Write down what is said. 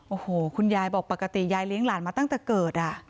โอ้โหคุณยายบอกปกติยายเลี้ยงหลานมาตั้งแต่เกิด